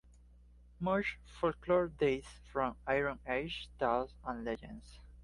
Much folklore dates from Iron Age tales and legends.